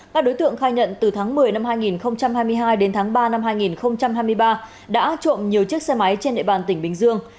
các đối tượng khai nhận từ tháng một mươi năm hai nghìn hai mươi hai đến tháng ba năm hai nghìn hai mươi ba đã trộm nhiều chiếc xe máy trên địa bàn tỉnh bình dương